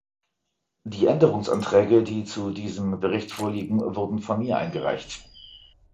Die Änderungsanträge, die zu diesem Bericht vorliegen, wurden von mir eingereicht.